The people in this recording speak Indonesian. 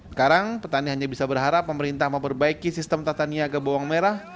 sekarang petani hanya bisa berharap pemerintah memperbaiki sistem tata niaga bawang merah